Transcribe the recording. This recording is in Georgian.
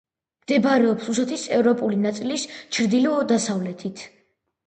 მდებარეობს რუსეთის ევროპული ნაწილის ჩრდილო-დასავლეთით.